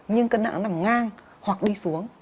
nhưng cân nặng nó nằm ngang hoặc đi xuống